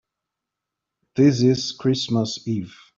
This is Christmas Eve.